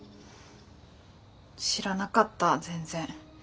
知らなかった全然。